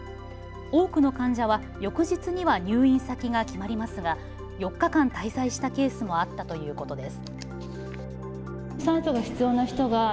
多くの患者は翌日には入院先が決まりますが４日間滞在したケースもあったということです。